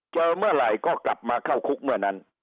เจอเมื่อไหร่ก็กลับมาเข้าคุกเมื่อนั้น